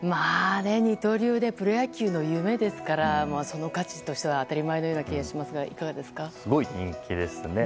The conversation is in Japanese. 二刀流でプロ野球の夢ですからその価値としては当たり前のような気がしますがすごい人気ですね。